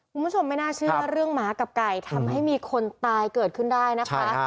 คุณผู้ชมไม่น่าเชื่อเรื่องหมากับไก่ทำให้มีคนตายเกิดขึ้นได้นะคะ